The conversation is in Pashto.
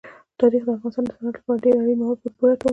تاریخ د افغانستان د صنعت لپاره ډېر اړین مواد په پوره توګه برابروي.